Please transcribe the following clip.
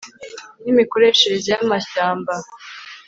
n imikoreshereze y amashyamba